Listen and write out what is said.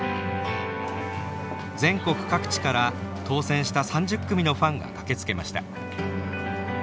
全国各地から当選した３０組のファンが駆けつけました。